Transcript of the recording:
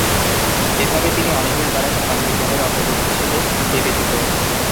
এভাবে তিনি অনেকের দ্বারা সমাজবিজ্ঞানের অগ্রদূত হিসেবে বিবেচিত।